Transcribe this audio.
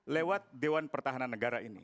lewat dewan pertahanan negara ini